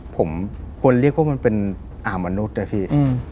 ผมควรเรียกว่ามันเป็นอ่ามนุษย์นะพี่